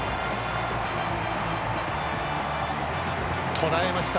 捉えました。